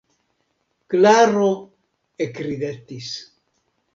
Klaro ekridetis.